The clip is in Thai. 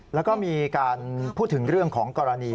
แล้วก็มีการพูดถึงเรื่องของกรณี